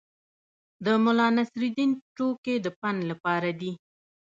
د ملانصرالدین ټوکې د پند لپاره دي.